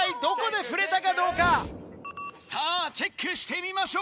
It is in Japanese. さぁチェックしてみましょう。